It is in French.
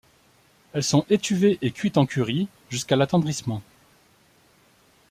Elles sont étuvées et cuites en curry jusqu'à l'attendrissement.